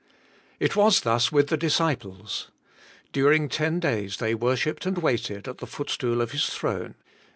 It was thus with the disciples. During ten days they worshipped and waited at the footstool of His throne.